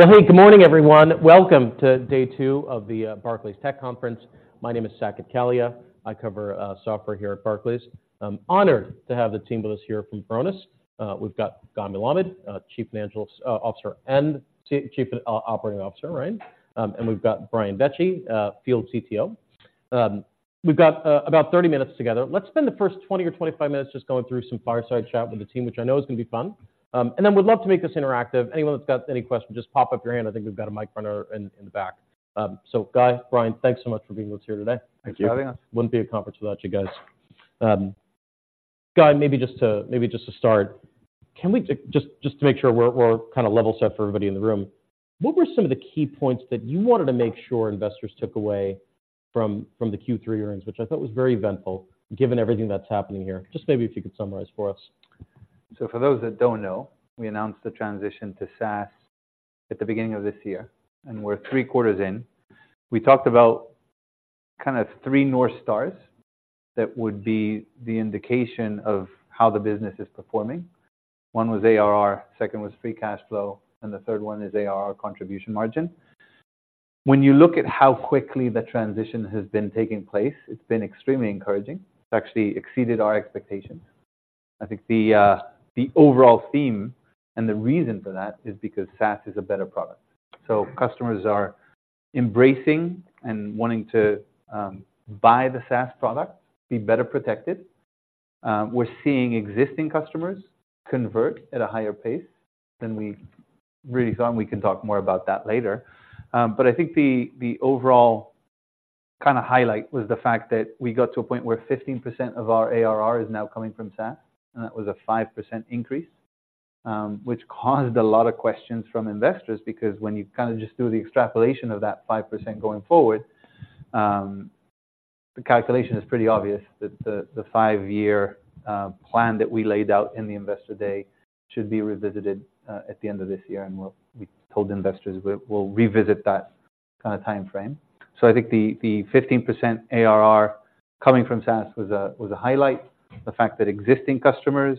Well, hey, good morning, everyone. Welcome to day two of the Barclays Tech Conference. My name is Saket Kalia. I cover software here at Barclays. I'm honored to have the team with us here from Varonis. We've got Guy Melamed, Chief Financial Officer and Chief Operating Officer, right? And we've got Brian Vecci, Field CTO. We've got about 30 minutes together. Let's spend the first 20 minutes or 25 minutes just going through some fireside chat with the team, which I know is gonna be fun. And then we'd love to make this interactive. Anyone that's got any questions, just pop up your hand. I think we've got a mic runner in the back. So Guy, Brian, thanks so much for being with us here today. Thank you. Thanks for having us. Wouldn't be a conference without you guys. Guy, maybe just to start, can we just make sure we're kinda level set for everybody in the room, what were some of the key points that you wanted to make sure investors took away from the Q3 earnings, which I thought was very eventful, given everything that's happening here? Just maybe if you could summarize for us. So for those that don't know, we announced the transition to SaaS at the beginning of this year, and we're three quarters in. We talked about kind of three North Stars that would be the indication of how the business is performing. One was ARR, second was free cash flow, and the third one is ARR contribution margin. When you look at how quickly the transition has been taking place, it's been extremely encouraging. It's actually exceeded our expectations. I think the overall theme and the reason for that is because SaaS is a better product. So customers are embracing and wanting to buy the SaaS product, be better protected. We're seeing existing customers convert at a higher pace than we really thought, and we can talk more about that later. But I think the overall kinda highlight was the fact that we got to a point where 15% of our ARR is now coming from SaaS, and that was a 5% increase, which caused a lot of questions from investors, because when you kinda just do the extrapolation of that 5% going forward, the calculation is pretty obvious: that the five-year plan that we laid out in the Investor Day should be revisited at the end of this year, and we told investors we'll revisit that kinda timeframe. So I think the 15% ARR coming from SaaS was a highlight. The fact that existing customers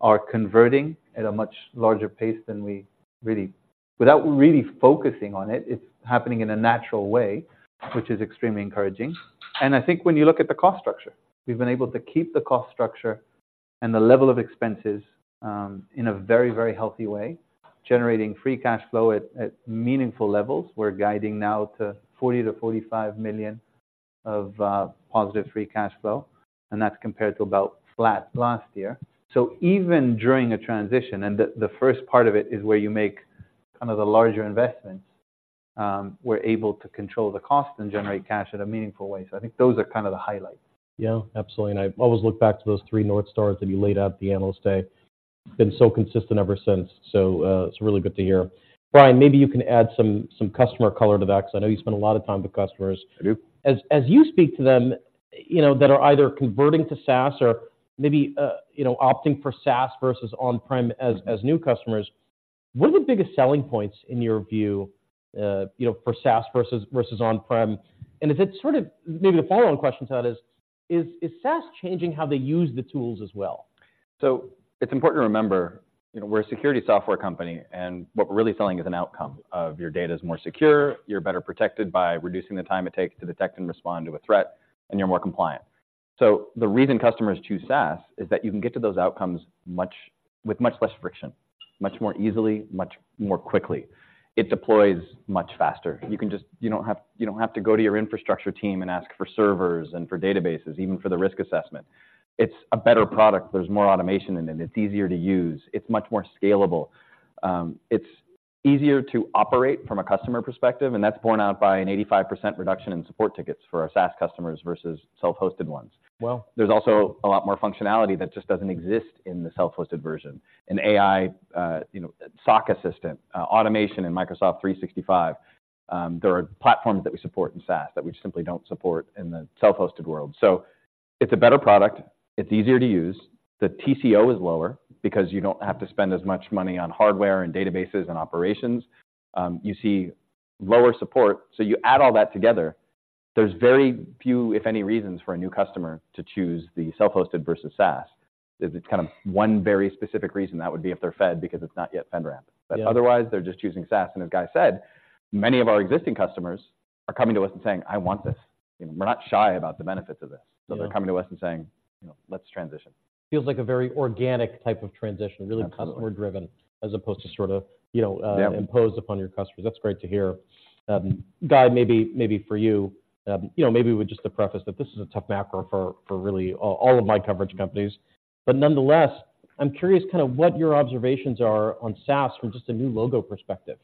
are converting at a much larger pace than we really... Without really focusing on it, it's happening in a natural way, which is extremely encouraging. I think when you look at the cost structure, we've been able to keep the cost structure and the level of expenses in a very, very healthy way, generating free cash flow at, at meaningful levels. We're guiding now to $40 million-$45 million of positive free cash flow, and that's compared to about flat last year. So even during a transition, and the, the first part of it is where you make kind of the larger investments, we're able to control the cost and generate cash in a meaningful way. So I think those are kind of the highlights. Yeah, absolutely. And I've always looked back to those three North Stars that you laid out at the Analyst Day. Been so consistent ever since, so, it's really good to hear. Brian, maybe you can add some, some customer color to that, because I know you spend a lot of time with customers. I do. As you speak to them, you know, that are either converting to SaaS or maybe, you know, opting for SaaS versus on-prem as new customers, what are the biggest selling points in your view, you know, for SaaS versus on-prem? And is it sort of... Maybe the follow-on question to that is, is SaaS changing how they use the tools as well? So it's important to remember, you know, we're a security software company, and what we're really selling is an outcome of: your data is more secure, you're better protected by reducing the time it takes to detect and respond to a threat, and you're more compliant. So the reason customers choose SaaS is that you can get to those outcomes much with much less friction, much more easily, much more quickly. It deploys much faster. You can just... You don't have, you don't have to go to your infrastructure team and ask for servers and for databases, even for the risk assessment. It's a better product. There's more automation in it. It's easier to use. It's much more scalable. It's easier to operate from a customer perspective, and that's borne out by an 85% reduction in support tickets for our SaaS customers versus self-hosted ones. Wow! There's also a lot more functionality that just doesn't exist in the self-hosted version. An AI, you know, SOC assistant, automation in Microsoft 365. There are platforms that we support in SaaS that we simply don't support in the self-hosted world. So it's a better product. It's easier to use. The TCO is lower because you don't have to spend as much money on hardware and databases and operations. You see lower support. So you add all that together, there's very few, if any, reasons for a new customer to choose the self-hosted versus SaaS. It's kind of one very specific reason, that would be if they're Fed, because it's not yet FedRAMP. Yeah. But otherwise, they're just choosing SaaS. And as Guy said, many of our existing customers are coming to us and saying, "I want this." You know, we're not shy about the benefits of this. Yeah. So they're coming to us and saying, "You know, let's transition. Feels like a very organic type of transition- Absolutely. really customer driven, as opposed to sort of, you know, Yeah... imposed upon your customers. That's great to hear. Guy, maybe for you, you know, maybe with just a preface, that this is a tough macro for really all of my coverage companies. But nonetheless, I'm curious kind of what your observations are on SaaS from just a new logo perspective,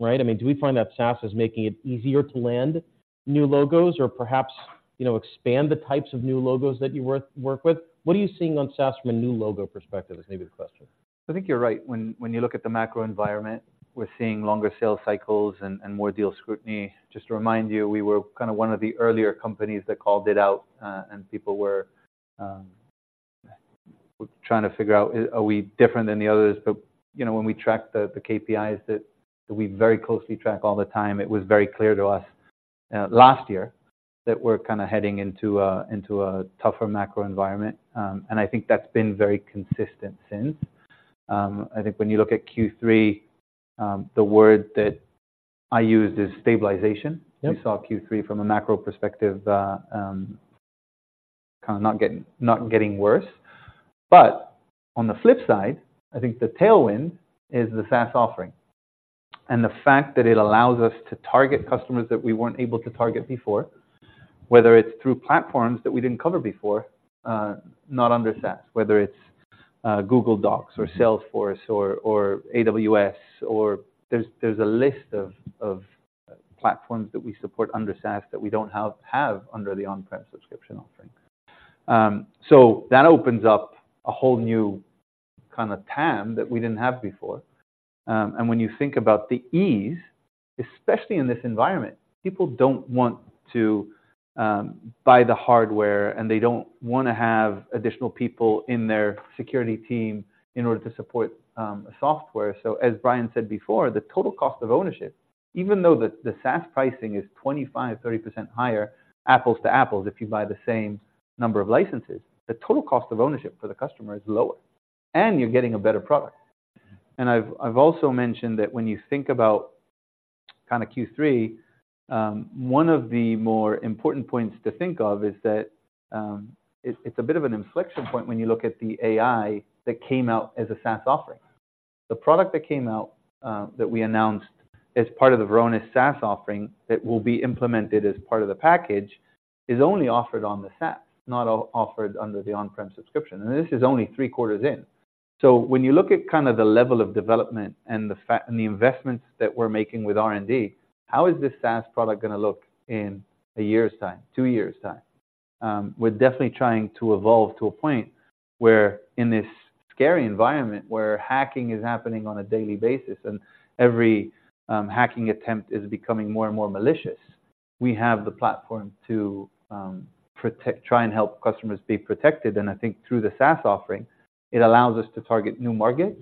right? I mean, do we find that SaaS is making it easier to land new logos or perhaps, you know, expand the types of new logos that you work with? What are you seeing on SaaS from a new logo perspective, is maybe the question. I think you're right. When you look at the macro environment, we're seeing longer sales cycles and more deal scrutiny. Just to remind you, we were kind of one of the earlier companies that called it out, and people were trying to figure out, are we different than the others? But, you know, when we tracked the KPIs that we very closely track all the time, it was very clear to us last year, that we're kind of heading into a tougher macro environment. And I think that's been very consistent since. I think when you look at Q3, the word that I use is stabilization. Yep. You saw Q3 from a macro perspective, kind of not getting, not getting worse. But on the flip side, I think the tailwind is the SaaS offering, and the fact that it allows us to target customers that we weren't able to target before, whether it's through platforms that we didn't cover before, not under SaaS. Whether it's, Google Docs or Salesforce or, or AWS, or there's a list of platforms that we support under SaaS that we don't have under the on-prem subscription offering. So that opens up a whole new kind of TAM that we didn't have before. And when you think about the ease, especially in this environment, people don't want to, buy the hardware, and they don't wanna have additional people in their security team in order to support, a software. So as Brian said before, the total cost of ownership, even though the SaaS pricing is 25%-30% higher, apples to apples, if you buy the same number of licenses, the total cost of ownership for the customer is lower, and you're getting a better product. And I've also mentioned that when you think about kind of Q3, one of the more important points to think of is that, it's a bit of an inflection point when you look at the AI that came out as a SaaS offering. The product that came out, that we announced as part of the Varonis SaaS offering, that will be implemented as part of the package, is only offered on the SaaS, not offered under the on-prem subscription, and this is only three quarters in. So when you look at kind of the level of development and the fact and the investments that we're making with R&D, how is this SaaS product gonna look in a year's time, two years' time? We're definitely trying to evolve to a point where in this scary environment, where hacking is happening on a daily basis, and every hacking attempt is becoming more and more malicious, we have the platform to protect—try and help customers be protected. And I think through the SaaS offering, it allows us to target new markets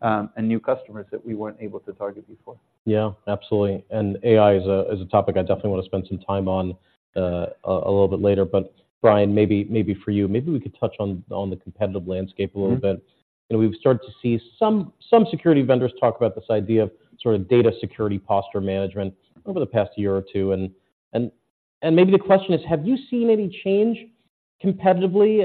and new customers that we weren't able to target before. Yeah, absolutely. And AI is a topic I definitely want to spend some time on a little bit later. But Brian, maybe for you, maybe we could touch on the competitive landscape a little bit. Mm-hmm. You know, we've started to see some security vendors talk about this idea of sort of data security posture management over the past year or two, and maybe the question is: Have you seen any change competitively?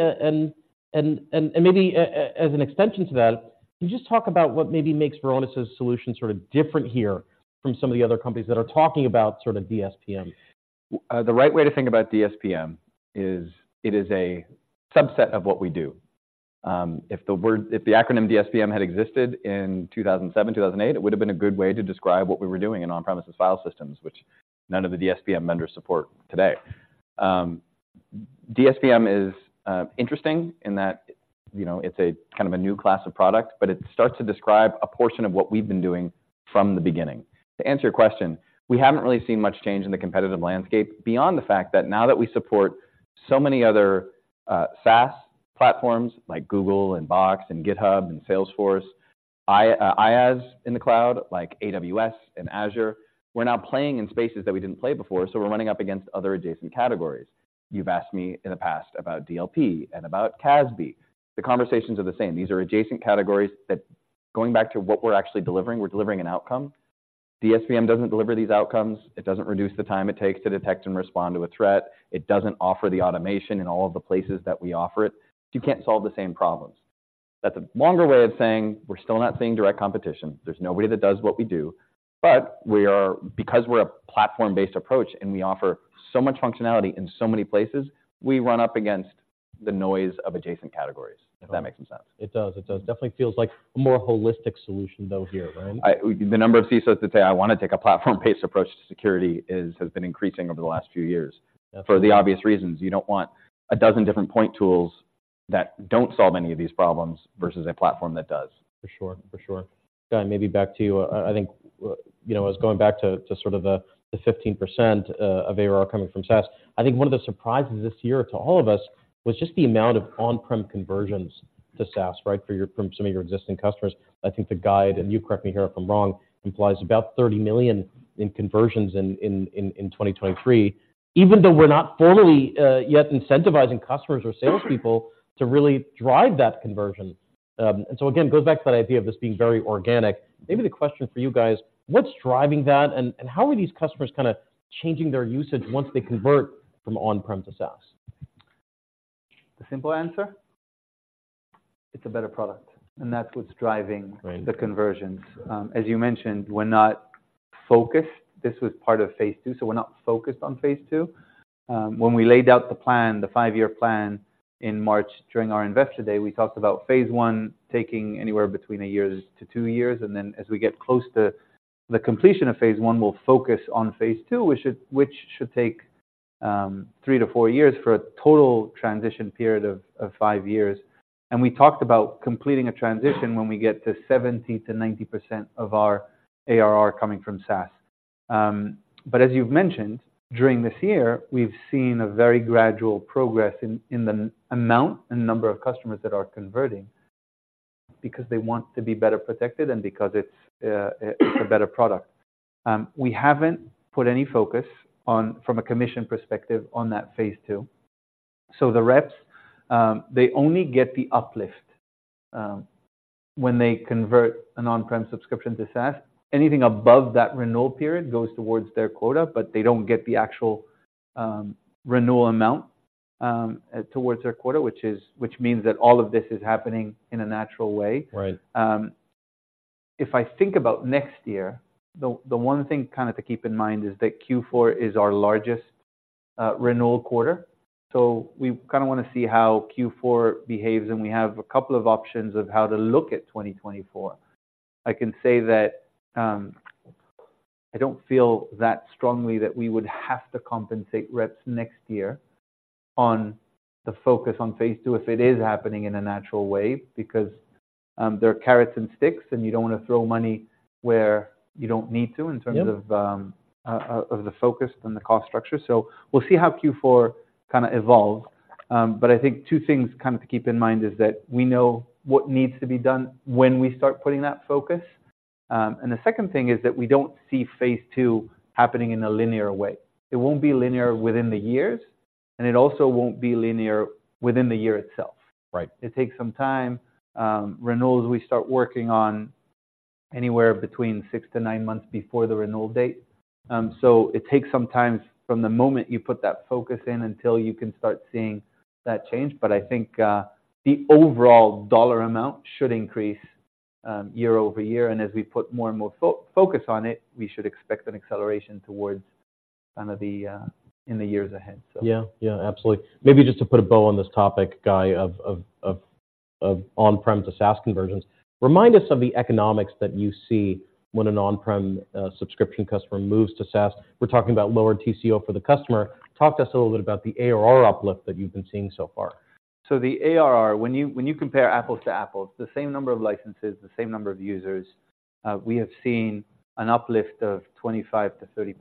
And maybe as an extension to that, can you just talk about what maybe makes Varonis' solution sort of different here from some of the other companies that are talking about sort of DSPM? The right way to think about DSPM is it is a subset of what we do. If the acronym DSPM had existed in 2007, 2008, it would have been a good way to describe what we were doing in on-premises file systems, which none of the DSPM vendors support today. DSPM is interesting in that, you know, it's a kind of a new class of product, but it starts to describe a portion of what we've been doing from the beginning. To answer your question, we haven't really seen much change in the competitive landscape beyond the fact that now that we support so many other SaaS platforms like Google and Box and GitHub and Salesforce, IaaS in the cloud, like AWS and Azure, we're now playing in spaces that we didn't play before, so we're running up against other adjacent categories. You've asked me in the past about DLP and about CASB. The conversations are the same. These are adjacent categories that going back to what we're actually delivering, we're delivering an outcome. DSPM doesn't deliver these outcomes. It doesn't reduce the time it takes to detect and respond to a threat. It doesn't offer the automation in all of the places that we offer it. You can't solve the same problems. That's a longer way of saying we're still not seeing direct competition. There's nobody that does what we do, but we are—because we're a platform-based approach and we offer so much functionality in so many places, we run up against the noise of adjacent categories, if that makes any sense. It does. It does. Definitely feels like a more holistic solution, though, here, right? The number of CISOs that say, "I wanna take a platform-based approach to security," has been increasing over the last few years. Yeah. For the obvious reasons: you don't want a dozen different point tools that don't solve any of these problems versus a platform that does. For sure. For sure. Guy, maybe back to you. I think, you know, I was going back to sort of the 15% of ARR coming from SaaS. I think one of the surprises this year to all of us was just the amount of on-prem conversions to SaaS, right? From some of your existing customers. I think the guide, and you correct me here if I'm wrong, implies about $30 million in conversions in 2023, even though we're not formally yet incentivizing customers or salespeople to really drive that conversion. And so again, it goes back to that idea of this being very organic. Maybe the question for you guys, what's driving that, and how are these customers kind of changing their usage once they convert from on-prem to SaaS? The simple answer: it's a better product, and that's what's driving- Right... the conversions. As you mentioned, we're not focused. This was part of phase II, so we're not focused on phase II. When we laid out the plan, the 5-year plan in March, during our Investor Day, we talked about phase one taking anywhere between one year to two years, and then as we get close to the completion of phase I, we'll focus on phase two, which should, which should take, three to four years for a total transition period of five years. And we talked about completing a transition when we get to 70%-90% of our ARR coming from SaaS. But as you've mentioned, during this year, we've seen a very gradual progress in the amount and number of customers that are converting...because they want to be better protected, and because it's a better product. We haven't put any focus on, from a commission perspective, on that phase two. So the reps, they only get the uplift, when they convert an on-prem subscription to SaaS. Anything above that renewal period goes towards their quota, but they don't get the actual renewal amount towards their quota, which means that all of this is happening in a natural way. Right. If I think about next year, the, the one thing kind of to keep in mind is that Q4 is our largest renewal quarter. So we kind of want to see how Q4 behaves, and we have a couple of options of how to look at 2024. I can say that, I don't feel that strongly that we would have to compensate reps next year on the focus on phase II, if it is happening in a natural way. Because, there are carrots and sticks, and you don't want to throw money where you don't need to- Yeah ...in terms of the focus and the cost structure. So we'll see how Q4 kind of evolves. But I think two things kind of to keep in mind is that we know what needs to be done when we start putting that focus. And the second thing is that we don't see phase II happening in a linear way. It won't be linear within the years, and it also won't be linear within the year itself. Right. It takes some time. Renewals, we start working on anywhere between six-nine months before the renewal date. So it takes some time from the moment you put that focus in until you can start seeing that change. But I think the overall dollar amount should increase year-over-year, and as we put more and more focus on it, we should expect an acceleration towards kind of the in the years ahead, so. Yeah. Yeah, absolutely. Maybe just to put a bow on this topic, Guy, on-prem to SaaS conversions. Remind us of the economics that you see when an on-prem subscription customer moves to SaaS. We're talking about lower TCO for the customer. Talk to us a little bit about the ARR uplift that you've been seeing so far. So the ARR, when you compare apples to apples, the same number of licenses, the same number of users, we have seen an uplift of 25%-30%.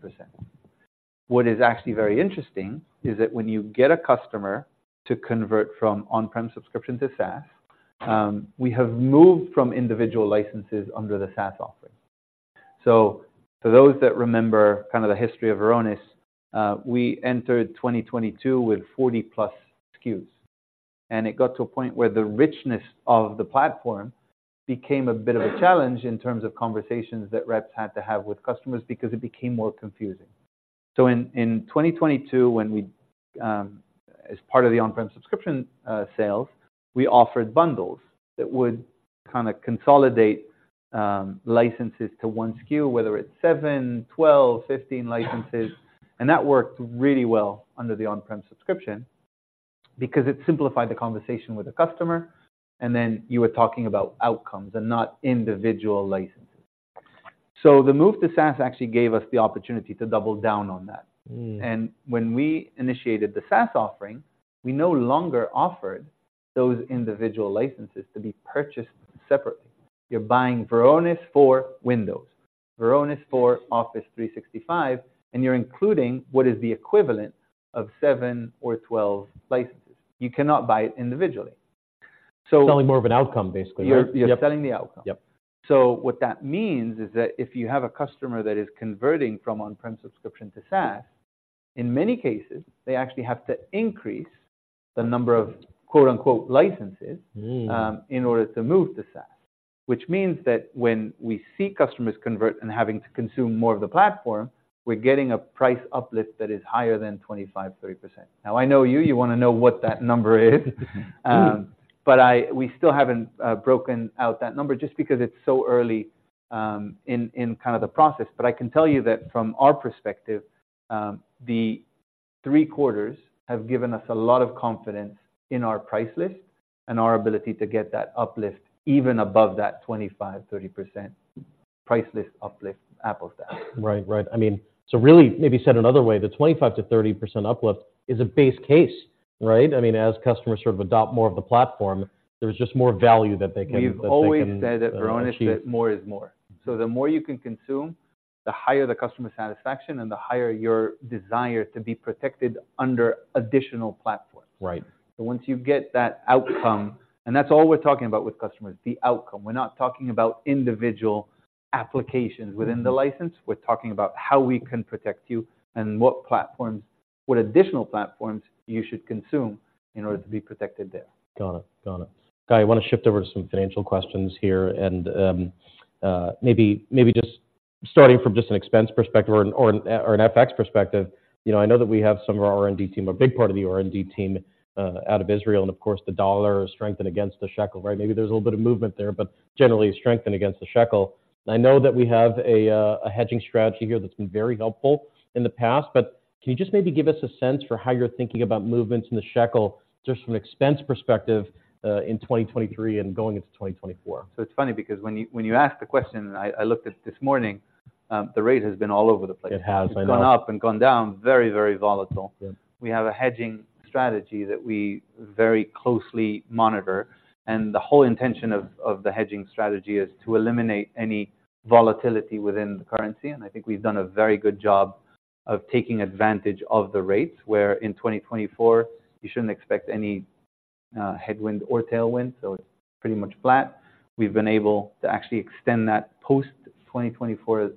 What is actually very interesting is that when you get a customer to convert from on-prem subscription to SaaS, we have moved from individual licenses under the SaaS offering. So for those that remember kind of the history of Varonis, we entered 2022 with 40+ SKUs, and it got to a point where the richness of the platform became a bit of a challenge in terms of conversations that reps had to have with customers because it became more confusing. So in 2022, when we, as part of the on-prem subscription sales, we offered bundles that would kind of consolidate licenses to one SKU, whether it's seven, 12, 15 licenses, and that worked really well under the on-prem subscription because it simplified the conversation with the customer, and then you were talking about outcomes and not individual licenses. So the move to SaaS actually gave us the opportunity to double down on that. Mm. When we initiated the SaaS offering, we no longer offered those individual licenses to be purchased separately. You're buying Varonis for Windows, Varonis for Office 365, and you're including what is the equivalent of seven or 12 licenses. You cannot buy it individually. So- Selling more of an outcome, basically, right? You're selling the outcome. Yep. So what that means is that if you have a customer that is converting from on-prem subscription to SaaS, in many cases, they actually have to increase the number of, quote-unquote, "licenses"- Mm... in order to move to SaaS, which means that when we see customers convert and having to consume more of the platform, we're getting a price uplift that is higher than 25%-30%. Now, I know you want to know what that number is, but we still haven't broken out that number just because it's so early, in kind of the process. But I can tell you that from our perspective, the three quarters have given us a lot of confidence in our price list and our ability to get that uplift even above that 25%-30% price list uplift apples to apples. Right. Right. I mean, so really, maybe said another way, the 25%-30% uplift is a base case, right? I mean, as customers sort of adopt more of the platform, there's just more value that they can- We've always said at Varonis- Uh, achieve... that more is more. So the more you can consume, the higher the customer satisfaction and the higher your desire to be protected under additional platforms. Right. Once you get that outcome, and that's all we're talking about with customers, the outcome. We're not talking about individual applications within the license. Mm. We're talking about how we can protect you and what additional platforms you should consume in order to be protected there. Got it. Got it. Guy, I want to shift over to some financial questions here, and maybe just starting from just an expense perspective or an FX perspective. You know, I know that we have some of our R&D team, a big part of the R&D team, out of Israel, and of course, the US dollar strengthened against the shekel, right? Maybe there's a little bit of movement there, but generally strengthened against the shekel. I know that we have a hedging strategy here that's been very helpful in the past, but can you just maybe give us a sense for how you're thinking about movements in the shekel, just from an expense perspective, in 2023 and going into 2024? So it's funny because when you asked the question, and I looked at it this morning, the rate has been all over the place. It has, I know. It's gone up and gone down. Very, very volatile. Yeah. We have a hedging strategy that we very closely monitor, and the whole intention of the hedging strategy is to eliminate any volatility within the currency, and I think we've done a very good job of taking advantage of the rates, where in 2024, you shouldn't expect any headwind or tailwind, so it's pretty much flat. We've been able to actually extend that post-2024,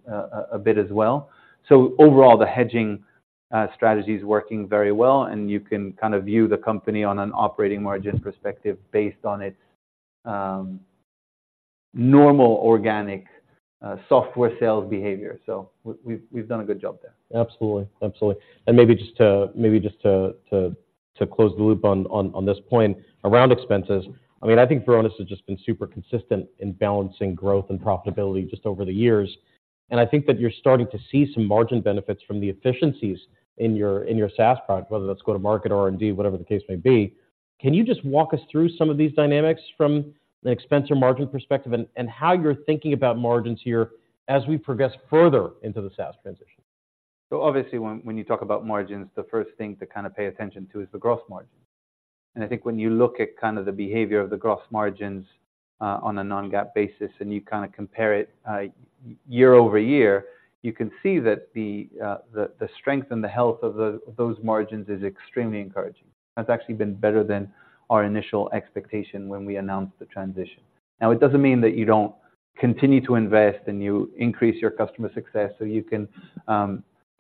a bit as well. So overall, the hedging strategy is working very well, and you can kind of view the company on an operating margin perspective based on its normal organic software sales behavior. So we've done a good job there. Absolutely. Absolutely. And maybe just to close the loop on this point around expenses. I mean, I think Varonis has just been super consistent in balancing growth and profitability just over the years, and I think that you're starting to see some margin benefits from the efficiencies in your SaaS product, whether that's go-to-market or R&D, whatever the case may be. Can you just walk us through some of these dynamics from an expense or margin perspective, and how you're thinking about margins here as we progress further into the SaaS transition? So obviously, when you talk about margins, the first thing to kind of pay attention to is the gross margin. And I think when you look at kind of the behavior of the gross margins, on a non-GAAP basis, and you kind of compare it, year-over-year, you can see that the strength and the health of those margins is extremely encouraging. That's actually been better than our initial expectation when we announced the transition. Now, it doesn't mean that you don't continue to invest and you increase your customer success, so you can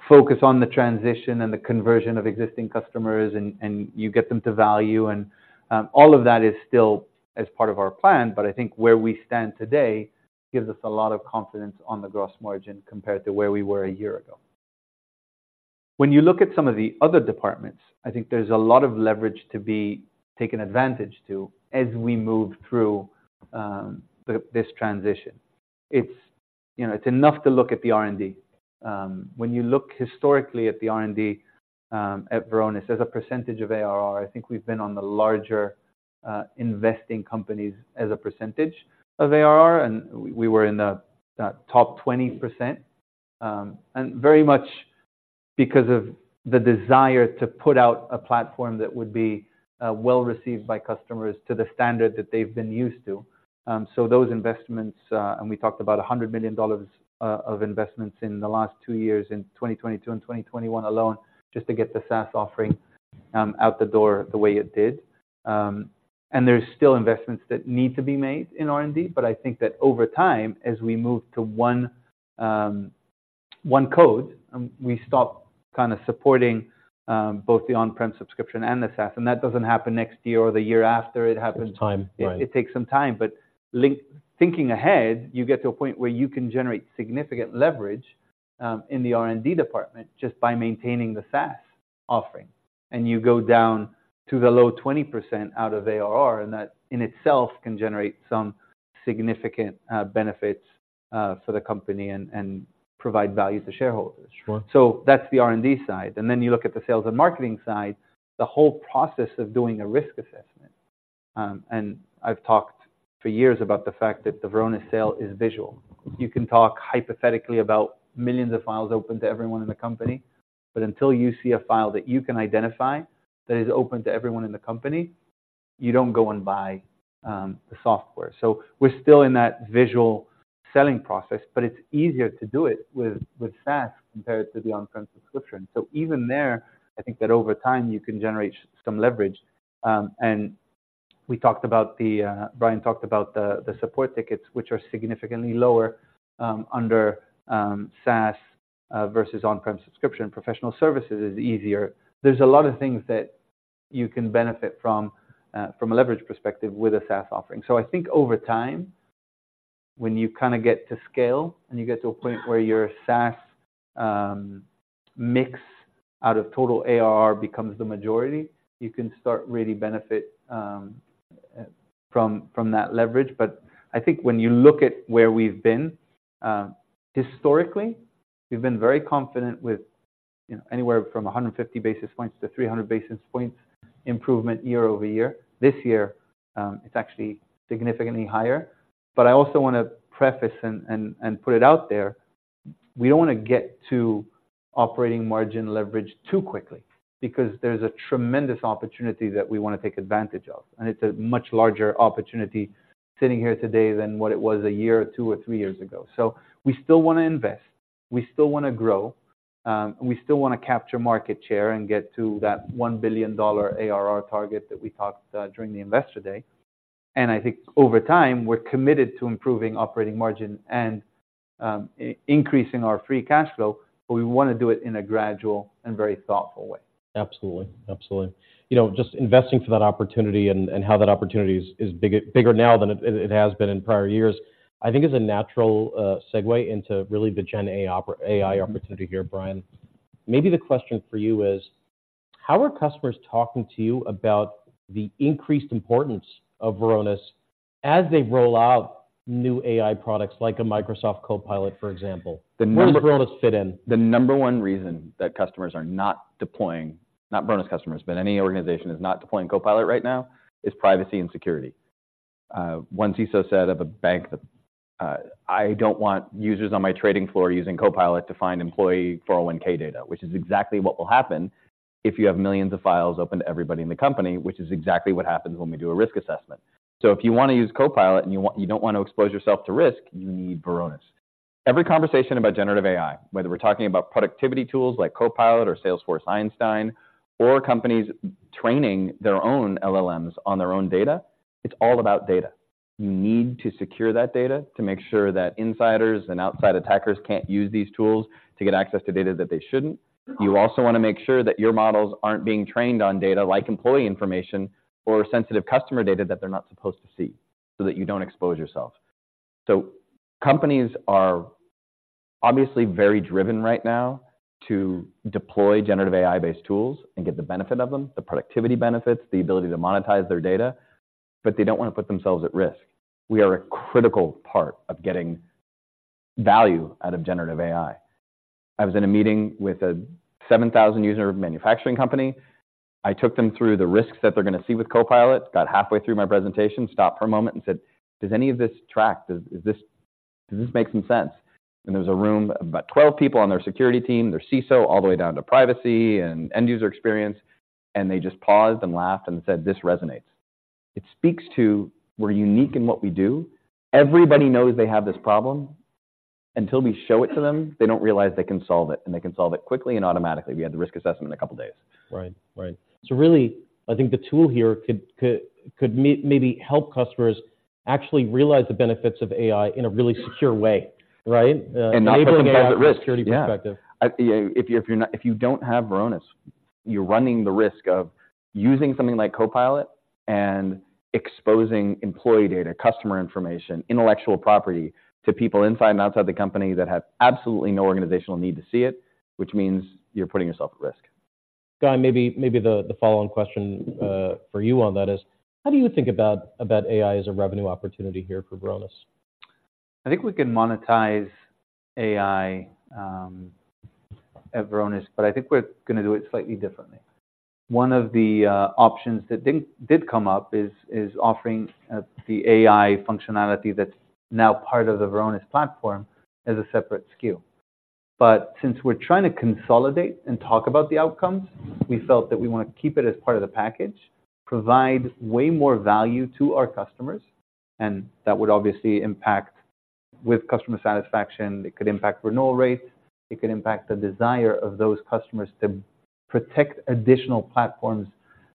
focus on the transition and the conversion of existing customers and you get them to value and all of that is still as part of our plan. But I think where we stand today gives us a lot of confidence on the gross margin compared to where we were a year ago. When you look at some of the other departments, I think there's a lot of leverage to be taken advantage to as we move through, this transition. It's, you know, it's enough to look at the R&D. When you look historically at the R&D, at Varonis, as a percentage of ARR, I think we've been on the larger, investing companies as a percentage of ARR, and we were in the, top 20%. And very much because of the desire to put out a platform that would be, well-received by customers to the standard that they've been used to. So those investments, and we talked about $100 million of investments in the last two years, in 2022 and 2021 alone, just to get the SaaS offering out the door the way it did. And there's still investments that need to be made in R&D, but I think that over time, as we move to one one code, and we stop kind of supporting both the on-prem subscription and the SaaS, and that doesn't happen next year or the year after it happens- It's time, right? It takes some time. But thinking ahead, you get to a point where you can generate significant leverage in the R&D department just by maintaining the SaaS offering. And you go down to the low 20% out of ARR, and that in itself can generate some significant benefits for the company and provide value to shareholders. Sure. So that's the R&D side. And then you look at the sales and marketing side, the whole process of doing a risk assessment. And I've talked for years about the fact that the Varonis sale is visual. You can talk hypothetically about millions of files open to everyone in the company, but until you see a file that you can identify that is open to everyone in the company, you don't go and buy the software. So we're still in that visual selling process, but it's easier to do it with SaaS compared to the on-prem subscription. So even there, I think that over time, you can generate some leverage. And we talked about the Brian talked about the support tickets, which are significantly lower under SaaS versus on-prem subscription. Professional services is easier. There's a lot of things that you can benefit from, from a leverage perspective with a SaaS offering. So I think over time, when you kinda get to scale and you get to a point where your SaaS mix out of total ARR becomes the majority, you can start really benefit from, from that leverage. But I think when you look at where we've been, historically, we've been very confident with, you know, anywhere from 150 basis points to 300 basis points improvement year-over-year. This year, it's actually significantly higher. But I also want to preface and put it out there, we don't want to get to operating margin leverage too quickly because there's a tremendous opportunity that we want to take advantage of, and it's a much larger opportunity sitting here today than what it was a year or two or three years ago. So we still wanna invest, we still wanna grow, we still wanna capture market share and get to that $1 billion ARR target that we talked during the Investor Day. And I think over time, we're committed to improving operating margin and increasing our free cash flow, but we want to do it in a gradual and very thoughtful way. Absolutely. Absolutely. You know, just investing for that opportunity and, and how that opportunity is, is big, bigger now than it, it has been in prior years, I think is a natural segue into really the generative AI opportunity here, Brian. Maybe the question for you is: How are customers talking to you about the increased importance of Varonis as they roll out new AI products, like a Microsoft Copilot, for example? Where does Varonis fit in? The number one reason that customers are not deploying, not Varonis customers, but any organization is not deploying Copilot right now, is privacy and security. One CISO said of a bank that, "I don't want users on my trading floor using Copilot to find employee 401(k) data," which is exactly what will happen if you have millions of files open to everybody in the company, which is exactly what happens when we do a risk assessment... So if you want to use Copilot and you want, you don't want to expose yourself to risk, you need Varonis. Every conversation about generative AI, whether we're talking about productivity tools like Copilot or Salesforce Einstein, or companies training their own LLMs on their own data, it's all about data. You need to secure that data to make sure that insiders and outside attackers can't use these tools to get access to data that they shouldn't. You also want to make sure that your models aren't being trained on data like employee information or sensitive customer data that they're not supposed to see, so that you don't expose yourself. So companies are obviously very driven right now to deploy generative AI-based tools and get the benefit of them, the productivity benefits, the ability to monetize their data, but they don't want to put themselves at risk. We are a critical part of getting value out of generative AI. I was in a meeting with a 7,000-user manufacturing company. I took them through the risks that they're going to see with Copilot, got halfway through my presentation, stopped for a moment and said: "Does any of this track? Does this make some sense?" And there was a room of about 12 people on their security team, their CISO, all the way down to privacy and end user experience, and they just paused and laughed and said, "This resonates." It speaks to we're unique in what we do. Everybody knows they have this problem. Until we show it to them, they don't realize they can solve it, and they can solve it quickly and automatically. We had the risk assessment in a couple of days. Right. Right. So really, I think the tool here could maybe help customers actually realize the benefits of AI in a really secure way, right? And not put them at risk. From a security perspective. Yeah. If you don't have Varonis, you're running the risk of using something like Copilot and exposing employee data, customer information, intellectual property to people inside and outside the company that have absolutely no organizational need to see it, which means you're putting yourself at risk. Guy, maybe the follow-on question for you on that is, how do you think about AI as a revenue opportunity here for Varonis? I think we can monetize AI at Varonis, but I think we're going to do it slightly differently. One of the options that did come up is offering the AI functionality that's now part of the Varonis platform as a separate SKU. But since we're trying to consolidate and talk about the outcomes, we felt that we want to keep it as part of the package, provide way more value to our customers, and that would obviously impact with customer satisfaction. It could impact renewal rates, it could impact the desire of those customers to protect additional platforms.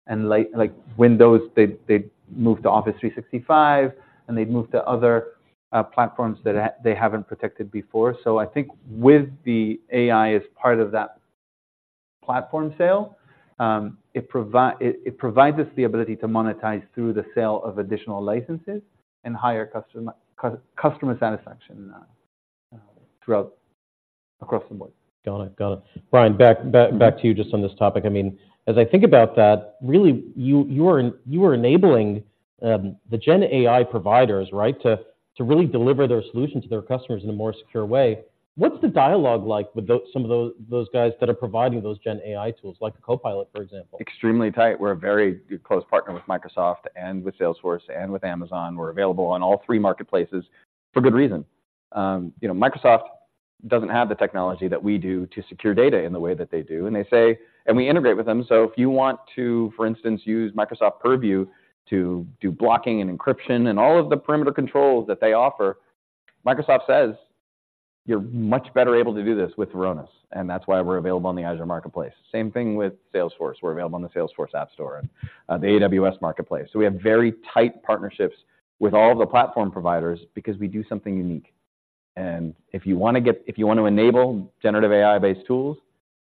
And like Windows, they move to Office 365, and they move to other platforms that they haven't protected before. So I think with the AI as part of that platform sale, it provide... It provides us the ability to monetize through the sale of additional licenses and higher customer satisfaction throughout across the board. Got it. Got it. Brian, back to you just on this topic. I mean, as I think about that, really, you are enabling the Gen AI providers, right, to really deliver their solution to their customers in a more secure way. What's the dialogue like with some of those guys that are providing those Gen AI tools, like the Copilot, for example? Extremely tight. We're a very close partner with Microsoft, and with Salesforce, and with Amazon. We're available on all three marketplaces for good reason. You know, Microsoft doesn't have the technology that we do to secure data in the way that they do, and they say... We integrate with them. So if you want to, for instance, use Microsoft Purview to do blocking and encryption and all of the perimeter controls that they offer, Microsoft says you're much better able to do this with Varonis, and that's why we're available on the Azure Marketplace. Same thing with Salesforce. We're available on the Salesforce App Store and, the AWS Marketplace. So we have very tight partnerships with all the platform providers because we do something unique. If you want to enable generative AI-based tools,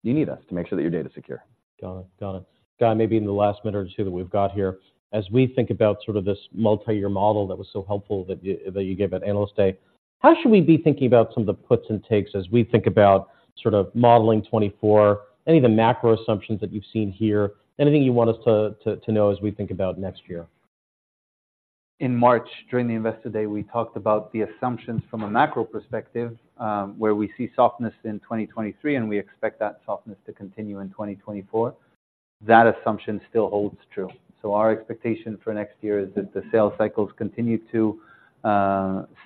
you need us to make sure that your data is secure. Got it. Got it. Guy, maybe in the last minute or two that we've got here, as we think about sort of this multi-year model that was so helpful that you gave at Analyst Day, how should we be thinking about some of the puts and takes as we think about sort of modeling 2024, any of the macro assumptions that you've seen here, anything you want us to know as we think about next year? In March, during the Investor Day, we talked about the assumptions from a macro perspective, where we see softness in 2023, and we expect that softness to continue in 2024. That assumption still holds true. So our expectation for next year is that the sales cycles continue to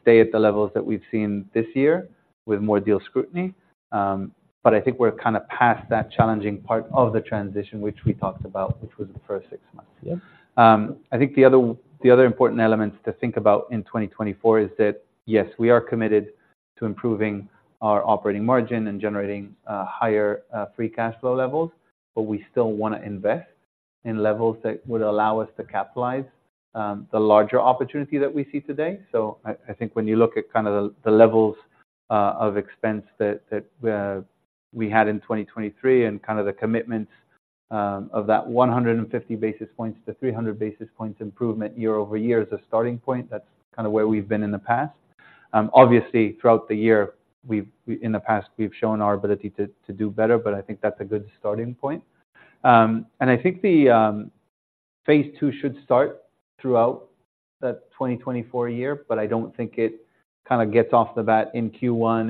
stay at the levels that we've seen this year with more deal scrutiny. But I think we're kinda past that challenging part of the transition, which we talked about, which was the first six months. Yeah. I think the other important elements to think about in 2024 is that, yes, we are committed to improving our operating margin and generating higher free cash flow levels, but we still wanna invest in levels that would allow us to capitalize the larger opportunity that we see today. So I think when you look at kinda the levels of expense that we had in 2023 and kinda the commitment of that 150 basis points-300 basis points improvement year-over-year as a starting point, that's kinda where we've been in the past. Obviously, throughout the year, in the past, we've shown our ability to do better, but I think that's a good starting point. I think the phase II should start throughout that 2024 year, but I don't think it kinda gets off the bat in Q1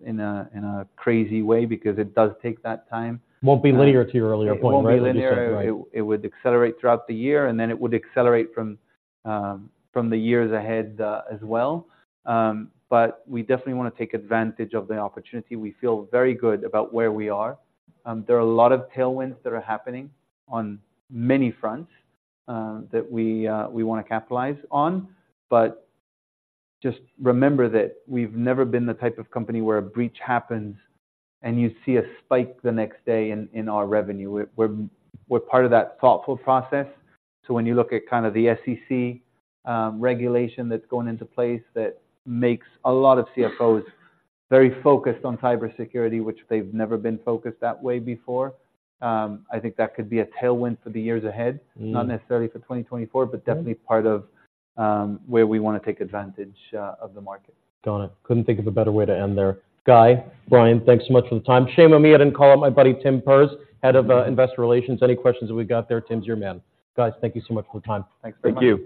in a crazy way, because it does take that time. Won't be linear to your earlier point, right? It won't be linear. It would accelerate throughout the year, and then it would accelerate from, from the years ahead, as well. But we definitely want to take advantage of the opportunity. We feel very good about where we are. There are a lot of tailwinds that are happening on many fronts, that we, we want to capitalize on, but just remember that we've never been the type of company where a breach happens, and you see a spike the next day in our revenue. We're, we're part of that thoughtful process. So when you look at kinda the SEC, regulation that's going into place, that makes a lot of CFOs very focused on cybersecurity, which they've never been focused that way before, I think that could be a tailwind for the years ahead. Mm. - not necessarily for 2024, but definitely part of where we want to take advantage of the market. Got it. Couldn't think of a better way to end there. Guy, Brian, thanks so much for the time. Shame on me, I didn't call out my buddy, Tim Perz, head of Investor Relations. Any questions that we got there, Tim's your man. Guys, thank you so much for the time. Thanks very much. Thank you.